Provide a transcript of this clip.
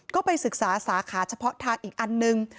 ก็ไปศึกษาสาขาเฉพาะทางอีกอันหนึ่ง